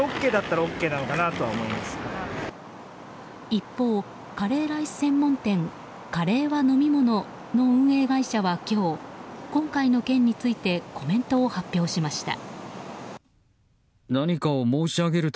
一方、カレーライス専門店カレーは飲み物。の運営会社は今日今回の件についてコメントを発表しました。